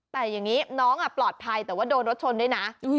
แต่อย่างนี้น้องปลอดภัยแต่ว่าโดนรถชนด้วยนะ